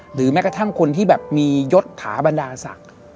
แม้กระทั่งคนที่แบบมียศขาบรรดาศักดิ์